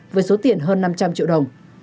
với số tiền hơn năm trăm linh triệu đồng